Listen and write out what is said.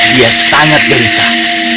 dia sangat berisah